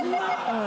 うん。